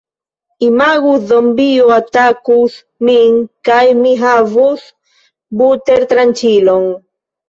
Imagu... zombio atakus min kaj mi havus butertranĉilon